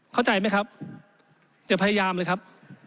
เข้าใจไหมครับอย่าพยายามเลยครับ